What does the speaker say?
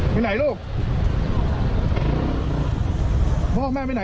กลับไปไหน